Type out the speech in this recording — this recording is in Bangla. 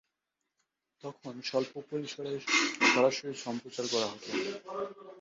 তখন স্বল্প পরিসরে সরাসরি সম্প্রচার করা হতো।